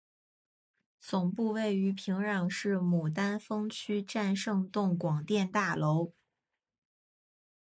总部位于平壤市牡丹峰区战胜洞广电大楼。